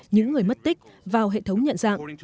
những người mất tích vào hệ thống nhận dạng